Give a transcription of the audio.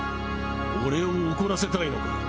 俺を怒らせたいのか？